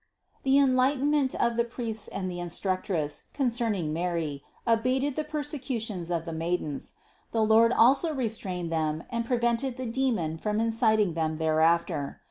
716. The enlightenment of the priests and the in structress concerning Mary abated the persecutions of the maidens. The Lord also restrained them and pre vented the demon from inciting them thereafter.